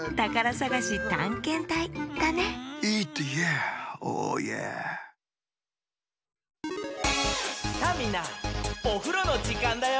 「さあみんなおふろのじかんだよ」